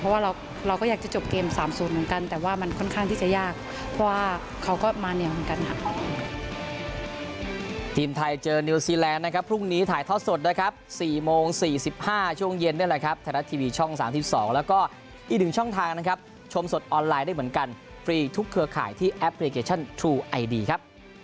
เพราะว่าเราก็อยากจะจบเกม๓๐เหมือนกันแต่ว่ามันค่อนข้างที่จะยากเพราะว่าเขาก็มาเหนียวเหมือนกันค่ะ